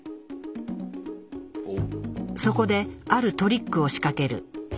そこであるトリックを仕掛ける。